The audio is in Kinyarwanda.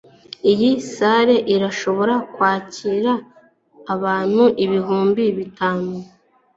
iyi salle irashobora kwakira abantu ibihumbi bitanu